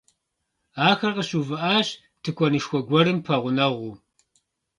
Ахэр къыщыувыӏащ тыкуэнышхуэ гуэрым пэгъунэгъуу.